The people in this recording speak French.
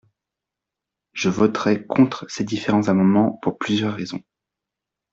Je voterai contre ces différents amendements pour plusieurs raisons.